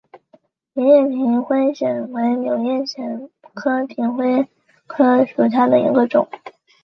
圆叶平灰藓为柳叶藓科平灰藓属下的一个种。